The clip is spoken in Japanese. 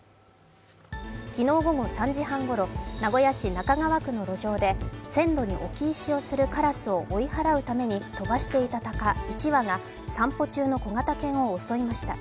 昨日午後３時半ごろ、名古屋市中川区の路上で線路に置き石をするカラスを追い払うために飛ばしていたたか１羽が散歩中の小型犬を襲いました。